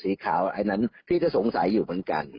สีขาวอันนั้นพี่ก็สงสัยอยู่เหมือนกัน